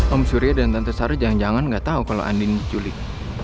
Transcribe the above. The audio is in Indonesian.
om surya dan tante sarah jangan jangan gak tau kalau andin diculik